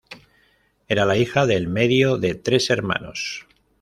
Era la hija del medio de tres hermanos.